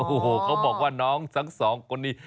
โอ้โหเขาบอกว่าน้องทั้งสองคนนี้